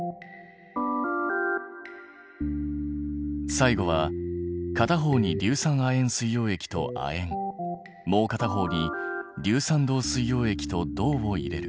最後は片方に硫酸亜鉛水溶液と亜鉛もう片方に硫酸銅水溶液と銅を入れる。